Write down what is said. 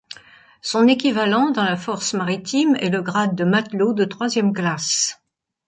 Son équivalent dans la Force maritime est le grade de matelot de troisième classe.